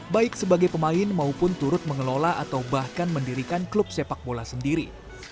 baik sebagai pemain maupun turut mengelola atau bahkan mendirikan klub sepak bola sendiri